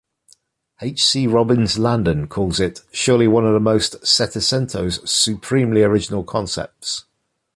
H. C. Robbins Landon calls it "surely one of the "settecento"'s supremely original concepts".